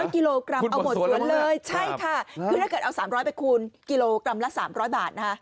กิโลกรัมเอาหมดสวนเลยใช่ค่ะคือถ้าเกิดเอา๓๐๐ไปคูณกิโลกรัมละ๓๐๐บาทนะคะ